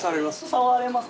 触れます。